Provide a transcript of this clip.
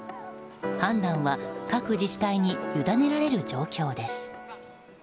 判断は各自治体に委ねられる状況です。